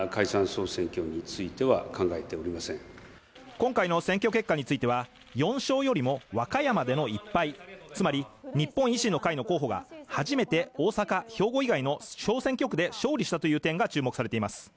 今回の選挙結果については４勝よりも和歌山での１敗つまり、日本維新の会の候補が初めて大阪兵庫以外の小選挙区で勝利したという点が注目されています。